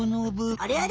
あれ？